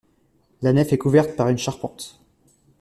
La nef est couverte par une charpente.